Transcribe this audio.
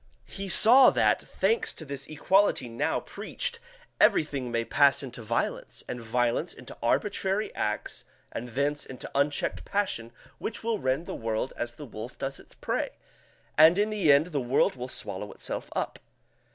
He saw that, thanks to this equality now preached, everything may pass into violence, and violence into arbitrary acts and thence into unchecked passion which will rend the world as the wolf does its prey, and in the end the world will swallow itself up.